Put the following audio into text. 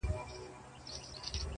سوله كوم خو زما دوه شرطه به حتمآ منې.